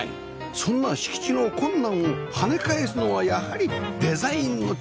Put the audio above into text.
そんな敷地の困難を跳ね返すのはやはりデザインの力